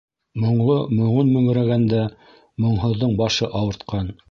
Моңло моңон мөңрәгәндә, моңһоҙҙоң башы ауыртҡан.